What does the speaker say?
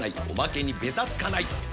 おまけにベタつかない！